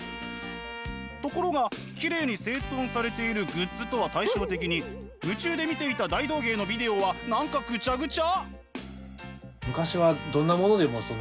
ところがきれいに整頓されているグッズとは対照的に夢中で見ていた大道芸のビデオは何かグチャグチャ！